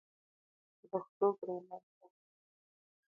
د پښتو ګرامر سخت ده